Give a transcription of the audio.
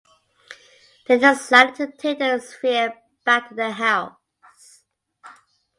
They decided to take the sphere back to their house.